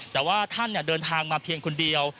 แต่ว่าท่านเดินทางมาเพียงคนเดียว